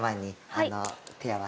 はい。